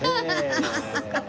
ハハハハ！